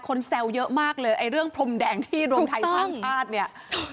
แซวเยอะมากเลยไอ้เรื่องพรมแดงที่รวมไทยสร้างชาติเนี่ย